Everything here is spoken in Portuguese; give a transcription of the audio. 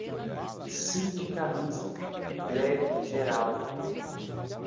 Sindicalismo, greve geral